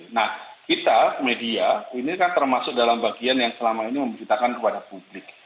nah kita media ini kan termasuk dalam bagian yang selama ini memberitakan kepada publik